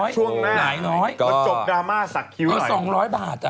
ช่วงหน้าจบกลาม่าสักคิ้วมิตรหาย๒๐๐บาทอ่ะ